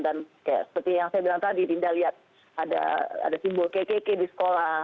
dan kayak seperti yang saya bilang tadi dinda lihat ada simbol kkk di sekolah